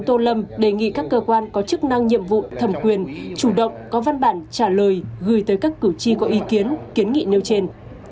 tội phạm bộ thẩm quyền chủ động có văn bản trả lời gửi tới các cử tri có ý kiến kiến nghị nêu trên